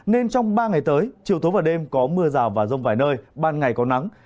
nên trong ba ngày tới chiều tối và đêm có mưa rào và rông vài nơi ban ngày có nắng